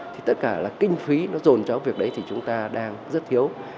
thì tất cả là kinh phí nó dồn cho việc đấy thì chúng ta đang rất thiếu